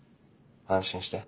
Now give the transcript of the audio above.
安心して。